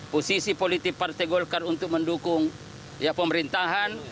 posisi politik partai golkar untuk mendukung pemerintahan